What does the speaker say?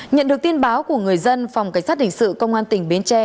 nhận được tin báo của người dân phòng cảnh sát hình sự công an tỉnh bến tre